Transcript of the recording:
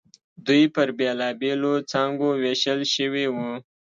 دوی پر بېلابېلو څانګو وېشل شوي وو.